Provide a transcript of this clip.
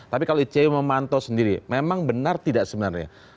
tapi kalau icw memantau sendiri memang benar tidak sebenarnya